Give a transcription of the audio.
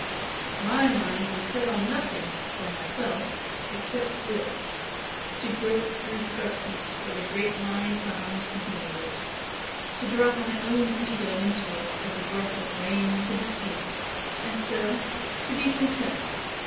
MY mind was set on nothing for myself except this to grope through the darkness for the Great Mind behind the Universe to drop my own 'ego' into it, as a drop of rain into the sea and so to be content!